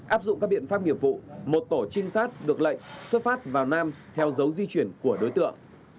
áp dụng các biện pháp nghiệp vụ một tổ trinh sát được lệnh xuất phát vào nam theo dấu di chuyển của đối tượng